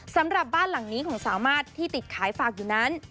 สำหรับบ้านหลังนี้ของสามารถที่ติดขายฝากอยู่นั้น